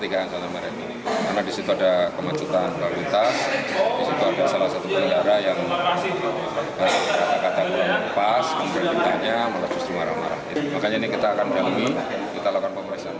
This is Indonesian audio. kita lakukan pemeriksaan